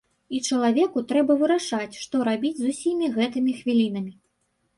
І чалавеку трэба вырашаць, што рабіць з усімі гэтымі хвілінамі.